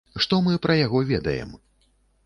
Што мы пра яго ведаем?